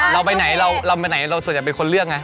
เราไปไหนเราไปไหนเราส่วนใหญ่เป็นคนเลือกไง